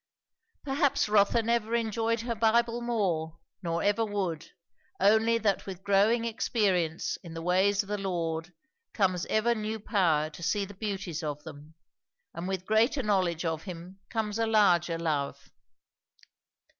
Perhaps Rotha never enjoyed her Bible more, nor ever would, only that with growing experience in the ways of the Lord comes ever new power to see the beauties of them, and with greater knowledge of him comes a larger love.